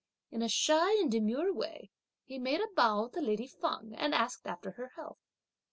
In a shy and demure way, he made a bow to lady Feng and asked after her health.